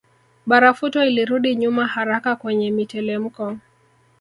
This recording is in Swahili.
Barafuto ilirudi nyuma haraka kwenye mitelemko